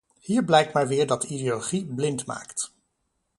Hier blijkt maar weer dat ideologie blind maakt.